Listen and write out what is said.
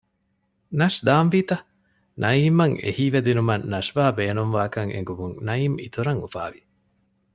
ނަޝް ދާންވީ ތަ؟ ނައީމްއަށް އެހީވެދިނުމަށް ނަޝްވާ ބޭނުންވާކަން އެނގުމުން ނައީމް އިތުރަށް އުފާވި